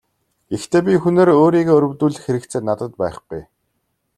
Гэхдээ би хүнээр өөрийгөө өрөвдүүлэх хэрэгцээ надад байхгүй.